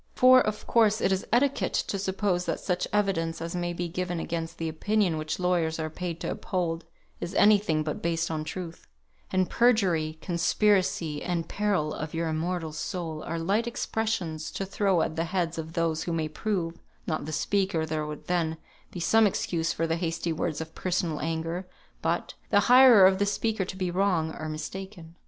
For, of course, it is etiquette to suppose that such evidence as may be given against the opinion which lawyers are paid to uphold, is any thing but based on truth; and "perjury," "conspiracy," and "peril of your immortal soul," are light expressions to throw at the heads of those who may prove (not the speaker, there would then be some excuse for the hasty words of personal anger, but) the hirer of the speaker to be wrong, or mistaken.